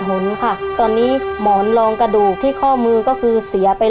หนค่ะตอนนี้หมอนรองกระดูกที่ข้อมือก็คือเสียไป